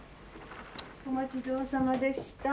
お待ちどおさまでした。